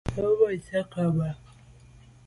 Nummbe ntse ke’ be.